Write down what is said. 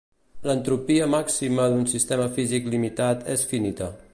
L'entropia màxima d'un sistema físic limitat és finita.